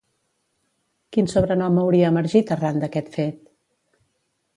Quin sobrenom hauria emergit arran d'aquest fet?